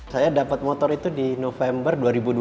saya dapat motor itu di november dua ribu dua puluh